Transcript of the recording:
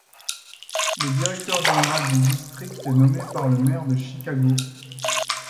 Le directeur général du district est nommé par le maire de Chicago.